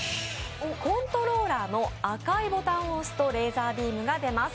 コントローラーの赤いボタンを押すとレーザービームが出ます。